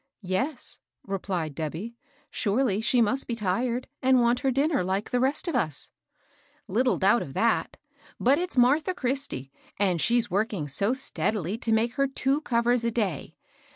"Yes," repUed Debby. "Surely she must be tired, and want her dinner like the rest of us ?"" Little doubt of that. But its Martha Christie, and she's working so steady to make her two cov ers a day.